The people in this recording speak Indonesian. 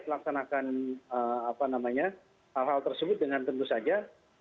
melaksanakan apa namanya hal hal tersebut dengan tentu saja